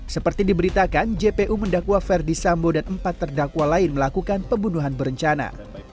seperti diberitakan jpu mendakwa ferdi sambo dan empat terdakwa lain melakukan pembunuhan berencana